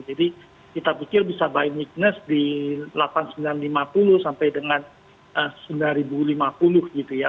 jadi kita pikir bisa buy weakness di rp delapan sembilan ratus lima puluh sampai dengan rp sembilan lima puluh gitu ya